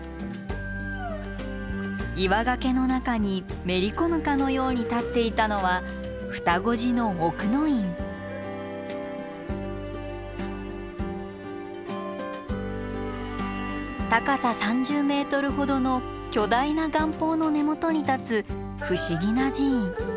岩崖の中にめり込むかのように立っていたのは高さ３０ｍほどの巨大な岩峰の根元に立つ不思議な寺院。